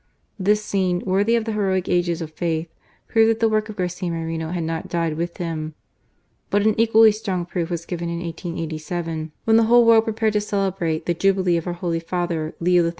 This scene, worthy of the heroic ages of faith, proved that the work of Garcia Moreno had not died | with him. But an equally strong proof was given in 1887, when the whole world prepared to celebrate the Jubilee of our Holy Father, Leo XIII.